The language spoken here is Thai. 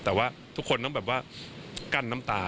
แต่ว่าทุกคนต้องแบบว่ากั้นน้ำตา